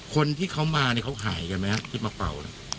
คนที่เขามาเนี่ยหายไปยังไงครับ